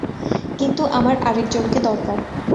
কিন্তু আমার আরেকজনকে দরকার।